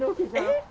えっ？